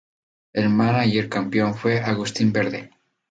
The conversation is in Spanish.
El mánager campeón fue Agustín Verde.